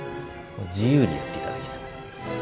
自由にやって頂きたい。